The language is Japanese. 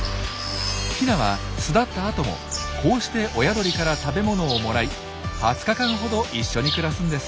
ヒナは巣立った後もこうして親鳥から食べ物をもらい２０日間ほど一緒に暮らすんです。